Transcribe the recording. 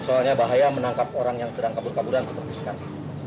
soalnya bahaya menangkap orang yang sedang kabur kaburan seperti sekarang